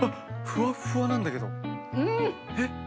ふわっふわなんだけど。